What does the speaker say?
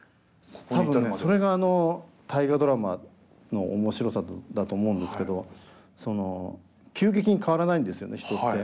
多分それが「大河ドラマ」の面白さだと思うんですけど急激に変わらないんですよね人って。